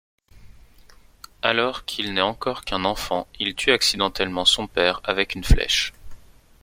Alors qu’il n’est encore qu’un enfant, il tue accidentellement son père avec une flèche.